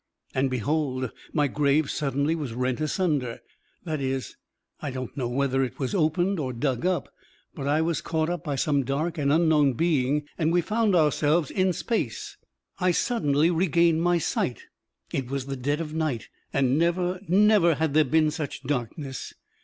And behold my grave suddenly was rent asunder, that is, I don't know whether it was opened or dug up, but I was caught up by some dark and unknown being and we found ourselves in space. I suddenly regained my sight. It was the dead of night, and never, never had there been such darkness.